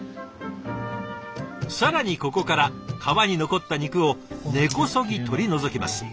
更にここから皮に残った肉を根こそぎ取り除きます。